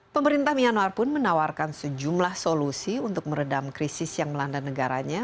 pemerintah myanmar pun menawarkan sejumlah solusi untuk meredam krisis yang melanda negaranya